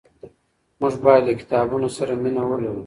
موږ باید له کتابونو سره مینه ولرو.